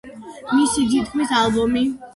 მისი თქმით, ალბომი გამაოგნებელი იქნებოდა.